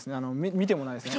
見てもないですね。